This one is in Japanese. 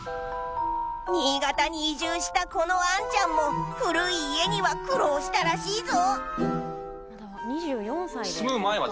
新潟に移住したこのアンちゃんも古い家には苦労したらしいぞ。